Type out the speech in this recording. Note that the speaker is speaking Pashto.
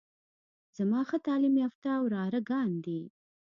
زما ښه تعليم يافته وراره ګان دي.